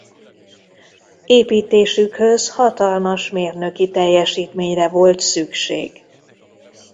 Építésükhöz hatalmas mérnöki teljesítményre volt szükség.